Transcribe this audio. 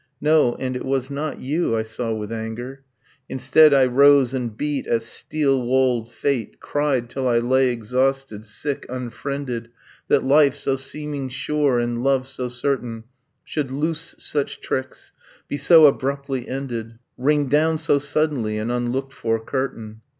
No, and it was not you I saw with anger. Instead, I rose and beat at steel walled fate, Cried till I lay exhausted, sick, unfriended, That life, so seeming sure, and love, so certain, Should loose such tricks, be so abruptly ended, Ring down so suddenly an unlooked for curtain.